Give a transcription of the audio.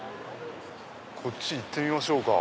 こっち行ってみましょうか。